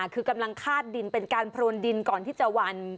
คือกำลังคาดดินเป็นการโพรนดินก่อนที่จะวัน